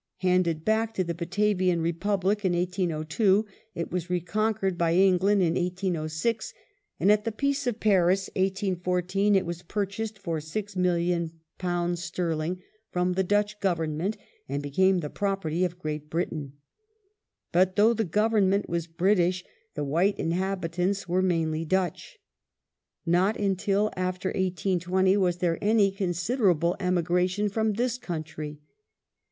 Handed back to the Batavian Republic in 1802, it was reconquered by England in 1806, and at the Peace of Paris (1814) it was purchased for £6,000,000 sterling from the Dutch Government and became the property of Great Britain. But though the Government was British, the white inhabitants were mainly Dutch. Not until after 1820 was there any considerable emigration from this country.